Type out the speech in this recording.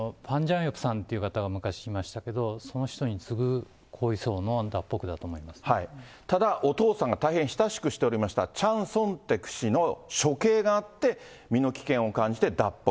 さんという方が昔いましたけど、その人に次ぐ高位層の脱北者だとただお父さんが大変親しくしておりましたチャン・ソンテク氏の処刑があって、身の危険を感じて脱北。